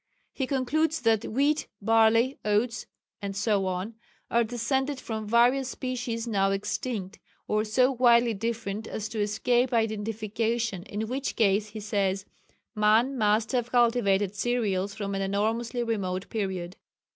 He concludes that wheat, barley, oats, etc., are descended from various species now extinct, or so widely different as to escape identification in which case he says: "Man must have cultivated cereals from an enormously remote period."